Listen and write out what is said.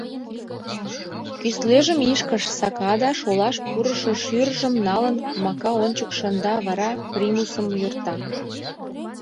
Кӱслежым ишкыш сака да, шолаш пурышо шӱржым налын, комака ончык шында, вара примусым йӧрта.